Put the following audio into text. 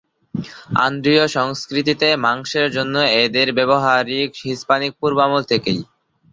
আন্দ্রিয় সংস্কৃতিতে মাংসের জন্য এদের ব্যবহার হিস্পানিক-পূর্ব আমল থেকেই।